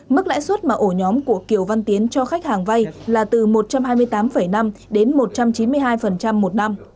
mức lãi suất mà ổ nhóm của kiều văn tiến cho khách hàng vay là từ một trăm hai mươi tám năm đến một trăm chín mươi hai một năm